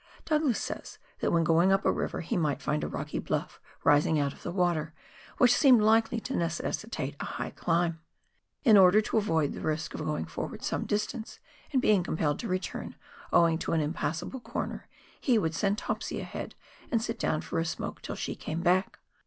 Douglas says, that when going up a river, he might find a rocky bluff rising out of the water, which seemed likely to necessitate a high climb. In order to avoid the risk of going forward some distance, and being compelled to return, owing to an impassable corner, he would send " Topsy " ahead, and sit down for a smoke till she came back.